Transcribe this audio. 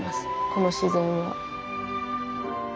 この自然を。